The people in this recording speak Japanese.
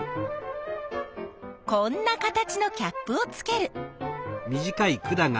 こんな形のキャップをつける。